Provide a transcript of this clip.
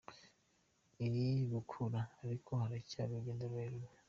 Iri gukura, ariko haracyari urugendo rurerure.